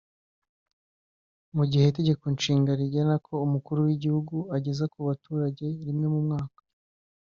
Mu gihe Itegeko Nshinga rigena ko Umukuru w’Igihugu ageza ku baturage rimwe mu mwaka